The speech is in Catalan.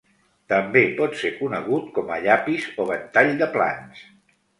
També pot ser conegut com a llapis o ventall de plans.